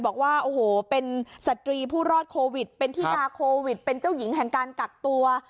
บอกว่าโอ้โหเป็นสตรีผู้รอดโควิดเป็นที่นาโควิดเป็นเจ้าหญิงแห่งการกักตัว